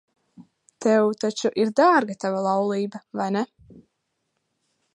Tev taču ir dārga tava laulība, vai ne?